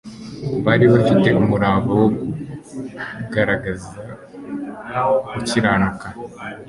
Bari bafite umurava wo kugaragaza gukiranuka,